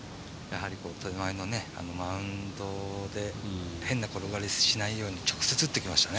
手前のマウンドで変にならないように直接打ってきましたね。